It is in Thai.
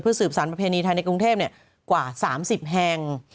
เพื่อสืบสารประเภนีธัณฑ์ในกรุงเทพเนี่ยกว่า๓๐แห่ง